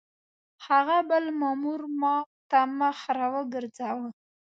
هغه بل مامور ما ته مخ را وګرځاوه.